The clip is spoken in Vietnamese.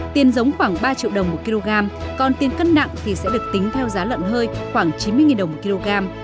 tiền giống khoảng ba triệu đồng một kg còn tiền cân nặng thì sẽ được tính theo giá lợn hơi khoảng chín mươi đồng một kg